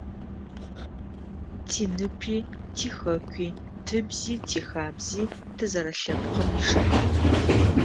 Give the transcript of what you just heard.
Тиныпи, тихэкуи, тыбзи, тихабзи тызэрэлъэпкъым ишыхьатых.